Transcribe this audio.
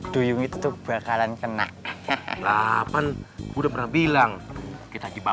duyung itu tuh bakalan kena ke delapan puluh delapan udah bilang kita coba aja delapan ribu sembilan ratus sepuluh lu pokoknya sip jangan sampai